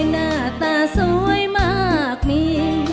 หน้าตาสวยมากมี